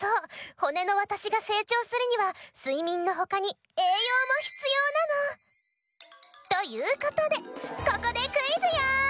骨のわたしが成長するにはすいみんのほかに栄養も必要なの。ということでここでクイズよ。